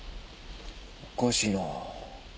おかしいな。